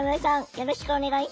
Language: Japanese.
よろしくお願いします。